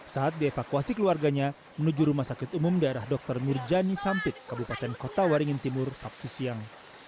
saat dievakuasi keluarganya menuju rumah sakit umum daerah dr nurjani sampit kabupaten kota waringin timur sabtu siang